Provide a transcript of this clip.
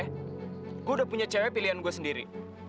saya sudah punya pilihan perempuan saya sendiri